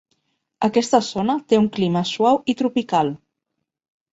Aquesta zona té un clima suau i tropical.